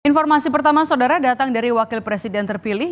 informasi pertama saudara datang dari wakil presiden terpilih